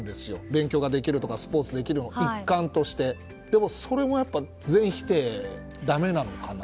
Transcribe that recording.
勉強やスポーツができるのも一環としてでもそれもやっぱり全否定だめなのかな。